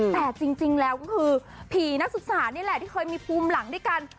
แต่จริงแล้วก็คือผีนักศึกษานี่แหละที่เคยมีภูมิหลังด้วยกัน